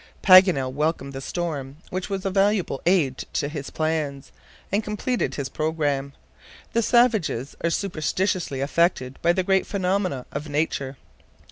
Paganel welcomed the storm, which was a valuable aid to his plans, and completed his program. The savages are superstitiously affected by the great phenomena of nature.